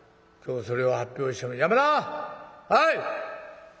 今日それを発表して山田！」。